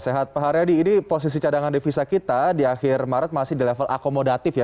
sehat pak haryadi ini posisi cadangan devisa kita di akhir maret masih di level akomodatif ya